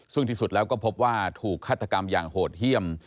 ซึ่งที่สุดแล้วก็พบว่าถูกฆาตกรรมอย่างโหดเยี่ยม